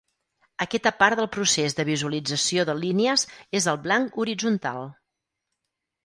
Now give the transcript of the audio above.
Aquesta part del procés de visualització de línies és el blanc horitzontal.